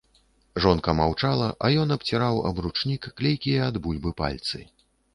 Жонка маўчала, а ён абціраў аб ручнік клейкія ад бульбы пальцы.